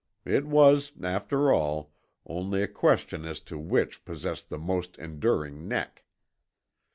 It was, after all, only a question as to which possessed the most enduring neck.